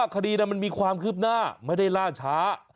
คดีมันมีความคืบหน้าไม่ได้ล่าช้า